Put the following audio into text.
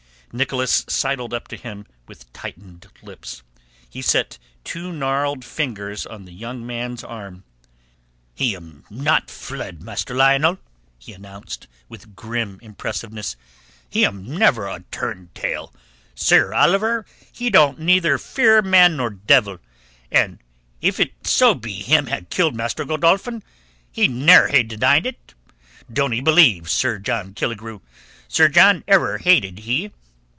Nicholas sidled up to him with tightened lips. He set two gnarled fingers on the young man's arm. "He'm not fled, Master Lionel," he announced with grim impressiveness. "He'm never a turntail. Sir Oliver he don't fear neither man nor devil, and if so be him had killed Master Godolphin, he'd never ha' denied it. Don't ee believe Sir John Killigrew. Sir John ever hated he."